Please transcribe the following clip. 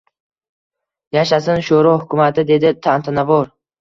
— Yashasin, sho‘ro hukumati! — dedi tantanavor. —